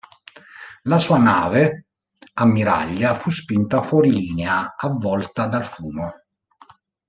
La sua nave ammiraglia fu spinta fuori linea, avvolta dal fumo.